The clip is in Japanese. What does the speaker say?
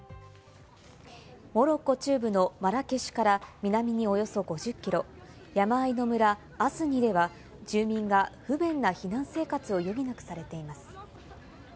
モロッコ中部のマラケシュから南におよそ５０キロ、山あいの村・アスニでは住民が不便な避難生活を余儀なくされています。